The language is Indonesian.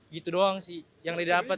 gitu doang sih yang didapat